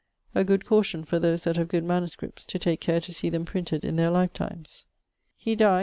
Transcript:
☞ A good caution for those that have good MSS. to take care to see them printed in their life times. He dyed